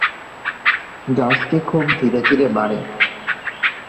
গাছটি খুব ধীরে ধীরে বাড়ে।